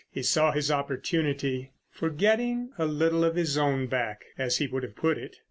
He saw his opportunity "for getting a little of his own back," as he would have put it.